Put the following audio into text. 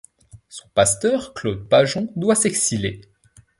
Son pasteur Claude Pajon doit s'exiler.